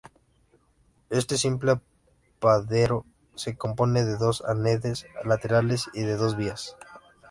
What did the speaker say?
Este simple apeadero se compone de dos andenes laterales y de dos vías.